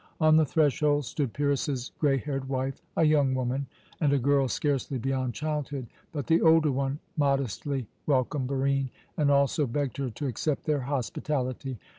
On the threshold stood Pyrrhus's grey haired wife, a young woman, and a girl scarcely beyond childhood; but the older one modestly welcomed Barine, and also begged her to accept their hospitality.